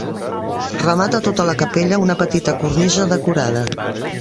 Remata tota la capella una petita cornisa decorada.